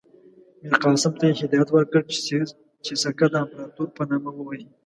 میرقاسم ته یې هدایت ورکړ چې سکه د امپراطور په نامه ووهي.